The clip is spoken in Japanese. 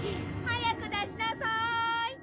早く出しなさーい。